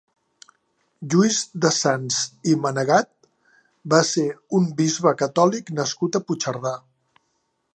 Lluís de Sanç i Manegat va ser un bisbe catòlic nascut a Puigcerdà.